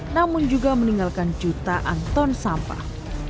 namun juga meninggalkan jutaan ton sampah